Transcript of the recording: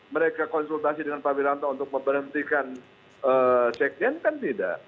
mereka konsultasi dengan pak wiranto untuk memberhentikan sekjen kan tidak